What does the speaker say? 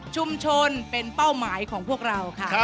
ชุมชนเป็นเป้าหมายของพวกเราค่ะ